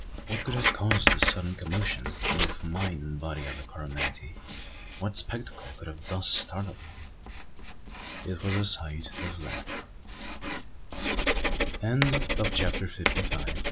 What could have caused this sudden commotion in both the mind and body of the Coromantee? What spectacle could have thus startled him? It was the sight of land! CHAPTER FIFTY SIX.